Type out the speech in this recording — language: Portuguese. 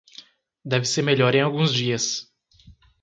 Deve ser melhor em alguns dias.